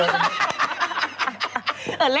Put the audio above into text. เอ่อเล่นตัวเองก็ได้เนอะ